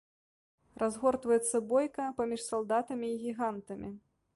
Разгортваецца бойка паміж салдатамі і гігантамі.